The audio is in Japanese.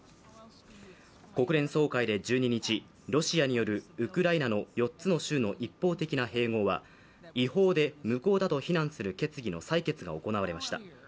国連総会で１２日、ロシアによるウクライナの４つの州の一方的な併合は違法で無効だと非難する決議の採択が行われました。